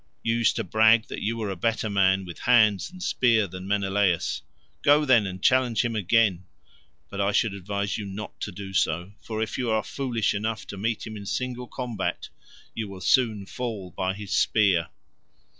You used to brag that you were a better man with hands and spear than Menelaus. Go, then, and challenge him again—but I should advise you not to do so, for if you are foolish enough to meet him in single combat, you will soon fall by his spear."